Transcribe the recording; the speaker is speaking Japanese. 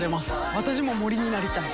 私も森になりたい。